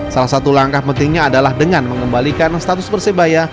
salah satu langkah pentingnya adalah dengan mengembalikan status persebaya